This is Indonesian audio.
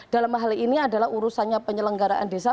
dalam hal ini adalah urusannya penyelenggaraan desa